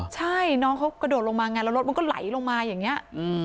ใช่น้องเขากระโดดลงมาไงแล้วรถมันก็ไหลลงมาอย่างนี้